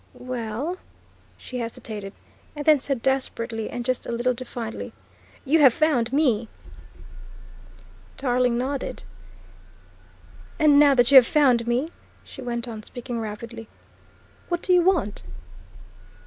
"Well," she hesitated, and then said desperately and just a little defiantly, "you have found me!" Tarling nodded. "And now that you have found me," she went on, speaking rapidly, "what do you want?"